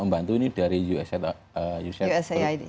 membantu ini dari usaid